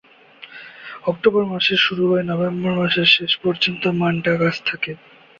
October মাসে শুরু হয়ে নভেম্বর মাসের শেষ পর্যন্ত মাল্টা গাছে থাকে।